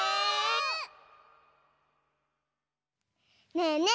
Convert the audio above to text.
ねえねえ！